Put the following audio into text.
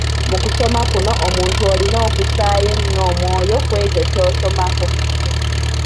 Mu kusoma kuno omuntu olina okussaayo ennyo omwoyo ku ekyo ky’osomako.